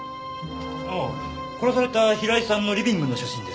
ああ殺された平井さんのリビングの写真です